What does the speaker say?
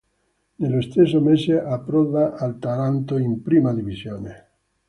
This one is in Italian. Nello stesso mese approda al Taranto in Prima Divisione.